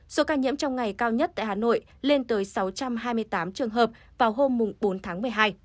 số ca nhiễm trong ngày cao nhất tại hà nội lên tới sáu trăm hai mươi tám trường hợp vào hôm bốn tháng một mươi hai